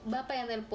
bapak yang telpon